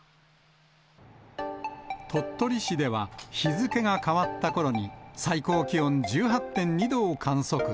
鳥取市では日付が変わったころに、最高気温１８．２度を観測。